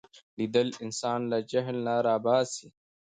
لیدل انسان له جهل نه را باسي